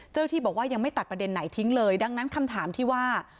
เจ้าที่บอกว่ายังไม่ตัดประเด็นไหนทิ้งเลยดังนั้นคำถามที่ว่า